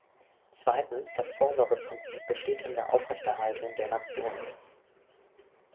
Zweitens, das Vorsorgeprinzip besteht in der Aufrechterhaltung der Nationen.